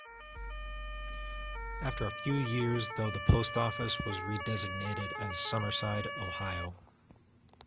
After a few years though the post office was redesignated as Summerside, Ohio.